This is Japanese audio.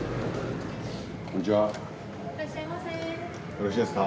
よろしいですか？